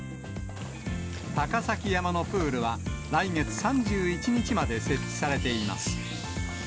高崎山のプールは、来月３１日まで設置されています。